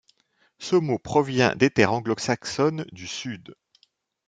Ce mot provient des terres anglo-saxonnes du sud.